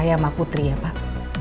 saya mau ke putri ya pak